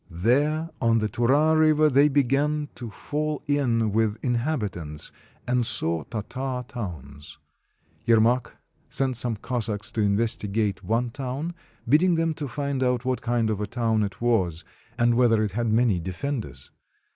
There on the Tura River they began to fall in with inhabitants, and saw Tartar towns. Yermak sent some Cossacks to investigate one town, bidding them find out what kind of a town it was, and whether it had many defenders.